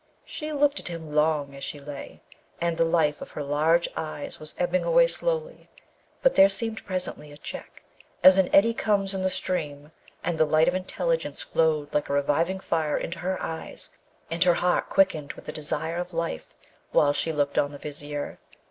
She looked at him long as she lay, and the life in her large eyes was ebbing away slowly; but there seemed presently a check, as an eddy comes in the stream, and the light of intelligence flowed like a reviving fire into her eyes, and her heart quickened with desire of life while she looked on the Vizier.